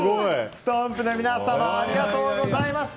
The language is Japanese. ストンプの皆様ありがとうございました。